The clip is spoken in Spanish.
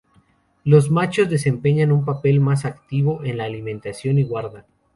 Los machos desempeñan un papel más activo en la alimentación y guarda.